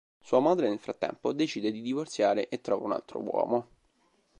Sua madre nel frattempo decide di divorziare e trova un altro uomo.